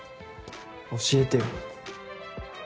教えてよ。